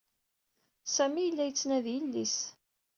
Sami yella yettnadi yelli-s.